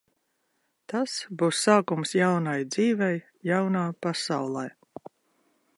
Tas būs sākums jaunai dzīvei jaunā pasaulē.